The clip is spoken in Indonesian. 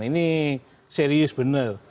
ini serius benar